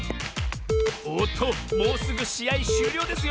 おっともうすぐしあいしゅうりょうですよ。